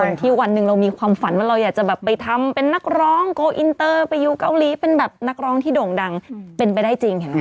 ไม่มีธรราแล้วไม่มีแบบสิ่งนี้